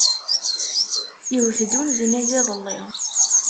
Iwet-d uneznaz iḍelli.